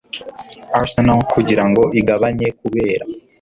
Arsenal kugirango igabanye kubera